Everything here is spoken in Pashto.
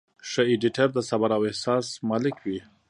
ښه ایډیټر د صبر او احساس مالک وي.